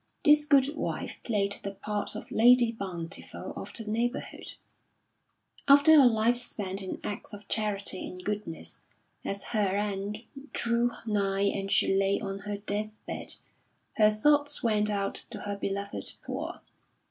This good wife played the part of lady bountiful of the neighbourhood. After a life spent in acts of charity and goodness, as her end drew nigh and she lay on her death bed, her thoughts went out to her beloved poor.